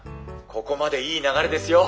ここまでいい流れですよ。